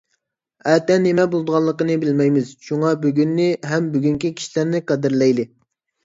ئەتە نېمە بولىدىغانلىقىنى بىلمەيمىز. شۇڭا بۈگۈننى ھەم بۈگۈنكى كىشىلەرنى قەدىرلەيلى!